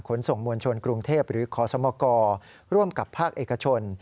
ขนส่งมวลชนกรุงเทพหรือขอสมกรร่วมกับภาคเอกชน